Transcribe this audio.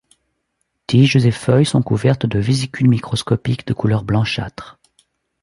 Tiges et feuilles sont couvertes de vésicules microscopiques de couleur blanchâtre.